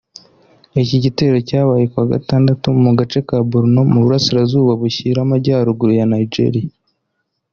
Iki gitero cyabaye kuwa Gatandatu mu gace ka Borno mu Burasirazuba bushyira Amajyaruguru ya Nigeria